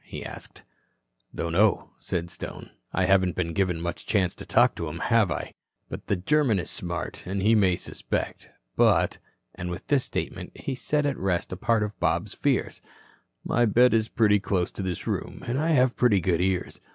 he asked. "Don't know," said Stone. "I haven't been given much chance to talk to 'em, have I? But that German is smart, and he may suspect. But" and with this statement he set at rest a part of Bob's fears "my bed is pretty close to this room an' I have pretty good ears.